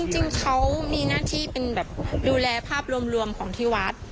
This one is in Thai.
จริงเขามีหน้าที่เป็นแบบดูแลภาพรวมของที่วัด